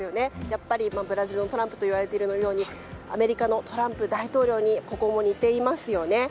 やっぱりブラジルのトランプといわれているようにアメリカのトランプ大統領にここも似ていますよね。